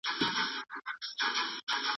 چې نور بې علمه بچي نه راوړي مئينه